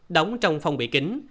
đóng trong phòng bị kính